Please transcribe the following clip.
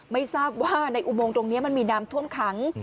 ไม่ทราบว่าในอุโมงตรงนี้มันมีน้ำท่วมขัง